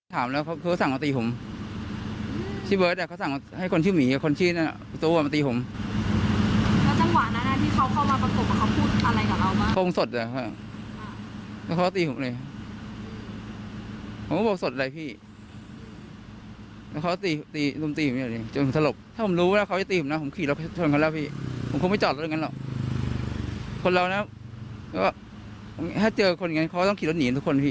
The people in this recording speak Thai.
ผมคงไม่จอดรถอย่างนั้นหรอกคนเราน่ะว่าถ้าเจอคนอย่างนั้นเขาต้องขี่รถหนีกันทุกคนพี่